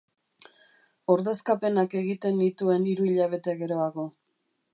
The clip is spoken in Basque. Ordezkapenak egiten nituen hiru hilabete geroago.